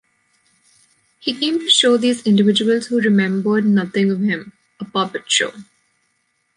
He came to show these individuals who remembered nothing of him...a puppet show.